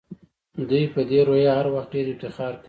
دوی په دې روحیه هر وخت ډېر افتخار کوي.